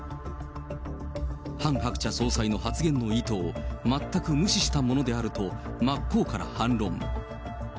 ハン・ハクチャ総裁の発言の意図を全く無視したものであると、真っ向から反論。